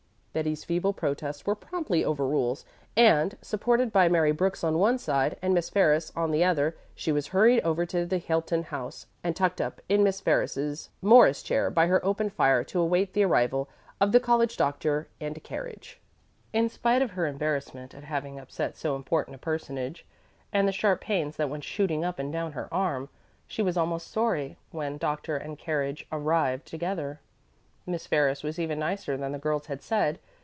Betty's feeble protests were promptly overruled, and supported by Mary Brooks on one side and Miss Ferris on the other she was hurried over to the Hilton House and tucked up in Miss Ferris's Morris chair by her open fire, to await the arrival of the college doctor and a carriage. In spite of her embarrassment at having upset so important a personage, and the sharp pains that went shooting up and down her arm, she was almost sorry when doctor and carriage arrived together. Miss Ferris was even nicer than the girls had said.